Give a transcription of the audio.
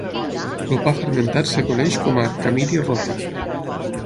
El pa fermentat es coneix com a "khamiri roti".